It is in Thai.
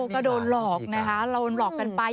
ก็โดนหลอกนะคะเราหลอกกันไป